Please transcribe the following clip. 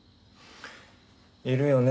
いるよね。